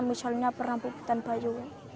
misalnya perang puputan bayu